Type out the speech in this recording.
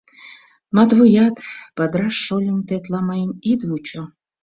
Матвуят, падыраш шольым, тетла мыйым ит вучо.